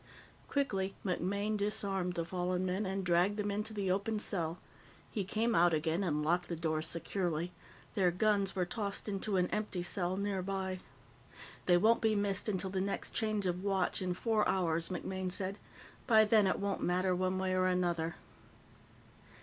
Quickly, MacMaine disarmed the fallen men and dragged them into the open cell. He came out again and locked the door securely. Their guns were tossed into an empty cell nearby. "They won't be missed until the next change of watch, in four hours," MacMaine said. "By then, it won't matter, one way or another."